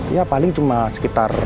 ya paling cuma sekitar